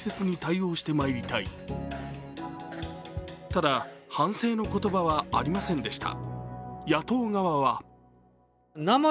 ただ、反省の言葉はありませんでした。